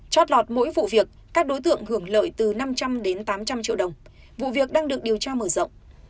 chót lọt mỗi vụ việc các đối tượng hưởng lợi từ năm trăm linh đến tám trăm linh triệu đồng vụ việc đang được điều tra mở rộng